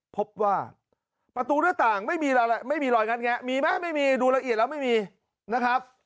พบว่าประตูหน้าต่างไม่มีรอยงัดแงะมีไหมไม่มีดูละเอียดแล้วไม่มีนะครับ